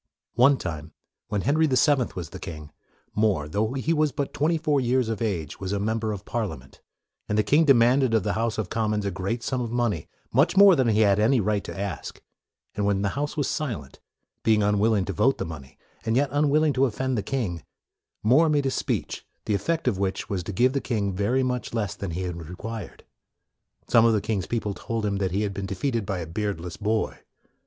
One time, while Henry the Seventh was the king, More, though he was but twenty four years of age, was a member of Parlia ment; and the king demanded of the House of Commons a great sum of money, much more than he had any right to ask; and when the House was silent, being unwilling to vote the money, and yet un willing to offend the king, More made a speech the effect of which was to give the king very much less than he had re quired. Some of the king's people told him that he had been defeated by a beard less boy.